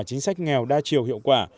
chính sách nghèo đa chiều hiệu quả